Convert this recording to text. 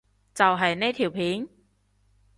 就係呢條片？